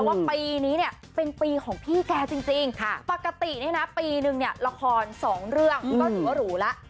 ว่าปีนี้เป็นปีของพี่แกจริงปกติปีนึงละคร๒เรื่องก็ถือว่าหรูล่ะ